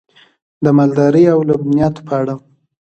د مالدارۍ او لبنیاتو په اړه: